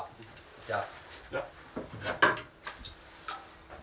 じゃあ。